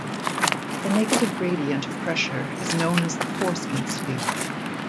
The negative gradient of pressure is known as the force density.